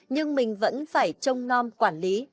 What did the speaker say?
nhưng mình vẫn phải trông ngom quản lý